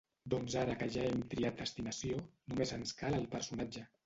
Doncs ara que ja hem triat destinació, només ens cal el personatge.